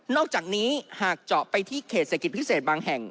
อกจากนี้หากเจาะไปที่เขตเศรษฐกิจพิเศษบางแห่ง